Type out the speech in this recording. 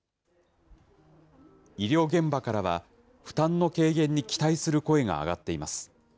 医療現場からは、負担の軽減に期待する声が上がっています。